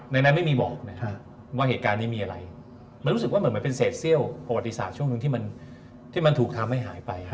นั้นไม่มีบอกนะครับว่าเหตุการณ์นี้มีอะไรมันรู้สึกว่าเหมือนมันเป็นเศษเซี่ยวประวัติศาสตร์ช่วงหนึ่งที่มันถูกทำให้หายไป